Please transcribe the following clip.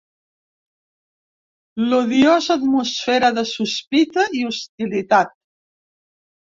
L'odiosa atmosfera de sospita i hostilitat